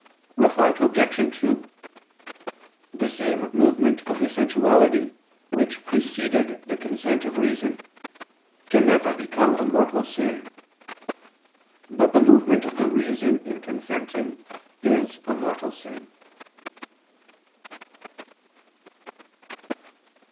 Reply Obj. 2: The same movement of the sensuality which preceded the consent of reason can never become a mortal sin; but the movement of the reason in consenting is a mortal sin.